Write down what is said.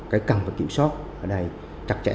cái căng và kiểm soát ở đây chặt chẽ hơn